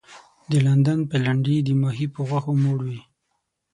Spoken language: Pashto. د لندن پلنډي د ماهي په غوښو موړ وي.